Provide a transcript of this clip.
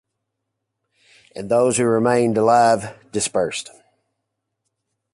Those who remained alive dispersed.